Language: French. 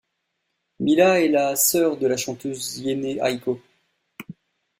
Mila est la sœur de la chanteuse Jhené Aiko.